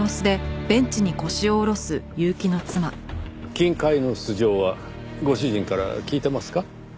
金塊の素性はご主人から聞いてますか？